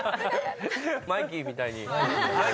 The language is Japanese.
マイキーみたいに。